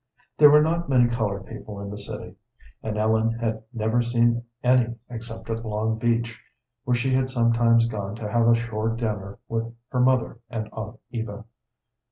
There were not many colored people in the city, and Ellen had never seen any except at Long Beach, where she had sometimes gone to have a shore dinner with her mother and Aunt Eva.